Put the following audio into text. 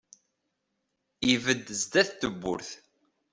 Ibedd sdat n tewwurt.